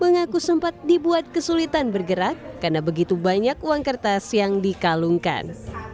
mengaku sempat dibuat kesulitan bergerak karena begitu banyak uang kertas yang dikalungkan